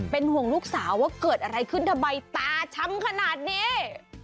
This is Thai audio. เป็นห่วงลูกสาวว่าเกิดอะไรขึ้นทำไมตาช้ำขนาดนี้